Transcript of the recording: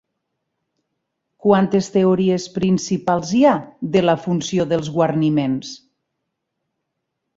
Quantes teories principals hi ha de la funció dels guarniments?